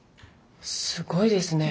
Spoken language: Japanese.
すごいですね。